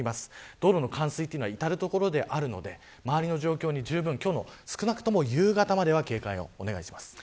道路の冠水が至る所であるので周りの状況にじゅうぶん少なくとも夕方までは警戒をお願いします。